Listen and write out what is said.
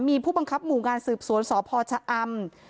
มีผู้บังคับหมู่งานสืบสวนสพชะอำ